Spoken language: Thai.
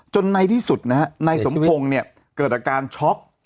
จนในที่สุดนายสมโพงเกิดอาการช็อก